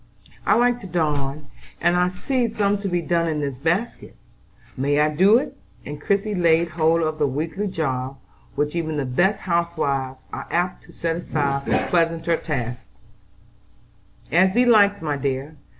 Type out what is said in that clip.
"I like to darn, and I see some to be done in this basket. May I do it?" and Christie laid hold of the weekly job which even the best housewives are apt to set aside for pleasanter tasks. "As thee likes, my dear.